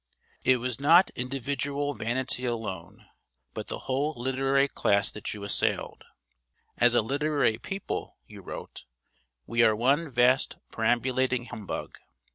It was not individual vanity alone, but the whole literary class that you assailed. 'As a literary people,' you wrote, 'we are one vast perambulating humbug.'